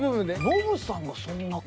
ノブさんがそんなか。